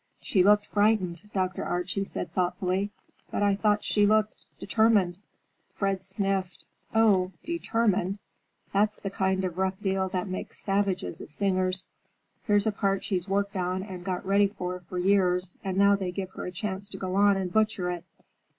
"She looked frightened," Dr. Archie said thoughtfully, "but I thought she looked—determined." Fred sniffed. "Oh, determined! That's the kind of rough deal that makes savages of singers. Here's a part she's worked on and got ready for for years, and now they give her a chance to go on and butcher it.